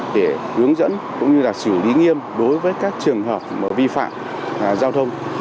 để hướng dẫn cũng như là xử lý nghiêm đối với các trường hợp vi phạm giao thông